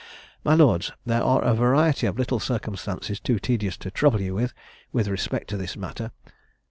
My lords, there are a variety of little circumstances too tedious to trouble you with, with respect to this matter.